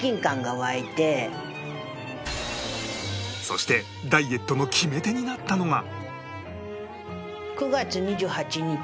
そしてダイエットの決め手になったのが